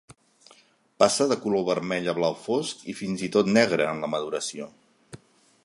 Passa de color vermell a blau fosc, i fins i tot negre, en la maduració.